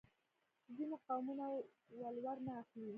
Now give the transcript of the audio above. ځینې قومونه ولور نه اخلي.